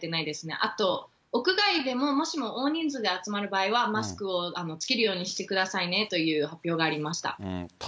あと屋外でも、もしも大人数で集まる場合は、マスクを着けるようにしてくださいねという発表がありました。